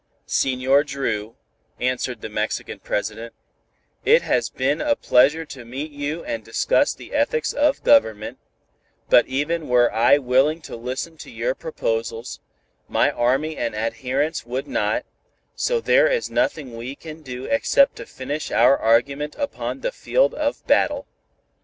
"Senor Dru," answered Benevides, "it has been a pleasure to meet you and discuss the ethics of government, but even were I willing to listen to your proposals, my army and adherents would not, so there is nothing we can do except to finish our argument upon the field of battle."